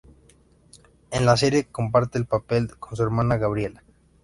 En la serie comparte el papel con su hermana Gabriella.